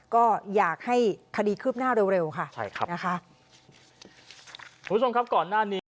ก็อยากให้คดีคืบหน้าเร็วเร็วค่ะใช่ครับนะคะคุณผู้ชมครับก่อนหน้านี้